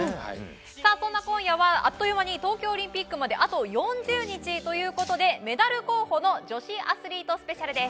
そんな今夜は東京オリンピックまであっという間にあと４０日ということでメダル候補の女子アスリートスペシャルです。